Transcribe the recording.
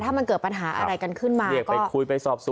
ถ้ามันเกิดปัญหาอะไรกันขึ้นมา